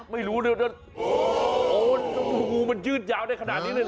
ไม่รู้โหมีงูมันยืดยาวได้ขนาดนี้เลยหรอ